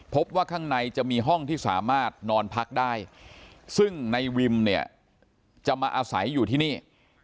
พบว่าข้างในจะมีห้องที่สามารถนอนพักได้ซึ่งในวิมเนี่ยจะมาอาศัยอยู่ที่นี่